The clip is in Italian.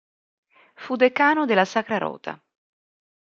Fu decano della Sacra Rota.